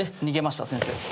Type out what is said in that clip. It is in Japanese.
逃げました先生。